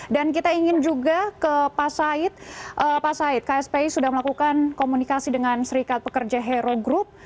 dan kita ingin juga ke pak said pak said kspi sudah melakukan komunikasi dengan serikat pekerja hero group